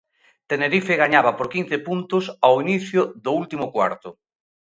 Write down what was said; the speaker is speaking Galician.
Tenerife gañaba por quince puntos ao inicio do último cuarto.